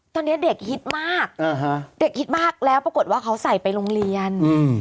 ตอนนี้เด็กฮิตมากแล้วปรากฏว่าเขาใส่ไปโรงเรียน